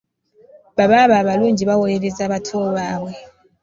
Babaaba abalungi bawolereza bato baabwe.